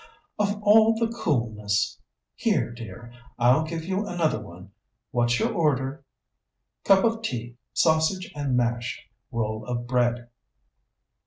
"Of all the coolness! Here, dear; I'll give you another one. What's your order?" "Cup of tea, sausage and mashed, roll of bread."